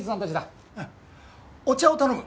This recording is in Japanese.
お茶を頼む。